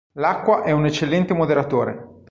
L'acqua è un eccellente moderatore.